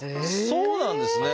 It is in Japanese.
そうなんですね！